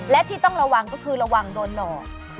และที่ต้องระวังก็คือระวังโดนหลอก